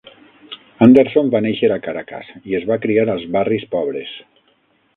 Anderson va néixer a Caracas i es va criar als barris pobres.